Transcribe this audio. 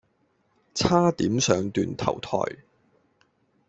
差點上斷頭臺